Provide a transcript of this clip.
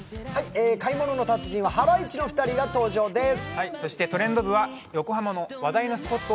「買い物の達人」はハライチの２人が登場です。